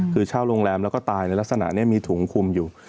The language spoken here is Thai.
คือเช่าโรงแรมแล้วก็ตายในลักษณะนี้มีถุงคุมอยู่